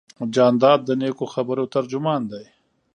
جانداد د نیکو خبرو ترجمان دی.